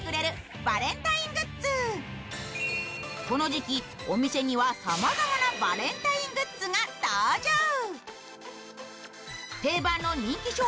この時期、お店にはさまざまなバレンタイングッズが登場。